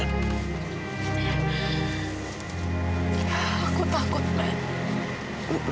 aku takut man